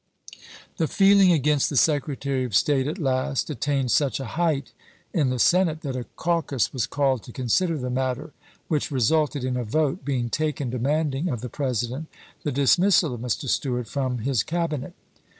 The feeling against the Secretary of State at last attained such a height in the Senate that a caucus was called to consider the matter, which resulted in a vote being taken demanding of the President the dismissal of Mr. Seward from his Cabinet.